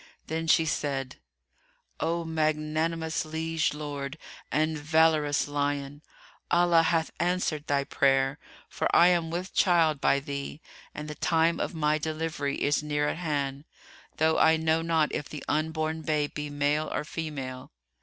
Then she said, "O magnanimous liege lord, and valorous lion, Allah hath answered thy prayer, for I am with child by thee and the time of my delivery is near at hand, though I know not if the unborn babe be male or female.